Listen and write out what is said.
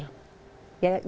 dari sikap hidupnya dia ini